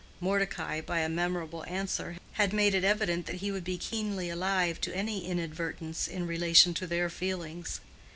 Mordecai, by a memorable answer, had made it evident that he would be keenly alive to any inadvertance in relation to their feelings.